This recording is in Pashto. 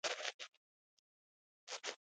اوبه ژوند بښي.